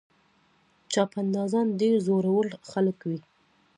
چاپندازان ډېر زړور خلک وي.